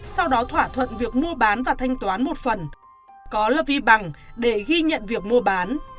sau đó thỏa thuận việc mua bán và thanh toán một phần có lv bằng để ghi nhận việc mua bán